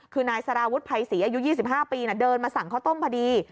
คือนายสารวุฒิภัยศรีอายุ๒๕ปีเดินมาสั่งข้าวต้มพอดี